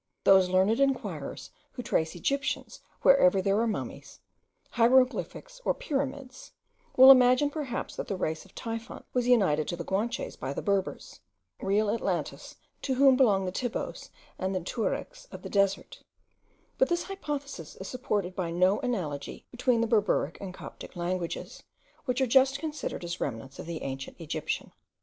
Those learned enquirers who trace Egyptians wherever there are mummies, hieroglyphics, or pyramids, will imagine perhaps that the race of Typhon was united to the Guanches by the Berbers, real Atlantes, to whom belong the Tibboes and the Tuarycks of the desert: but this hypothesis is supported by no analogy between the Berberic and Coptic languages, which are justly considered as remnants of the ancient Egyptian.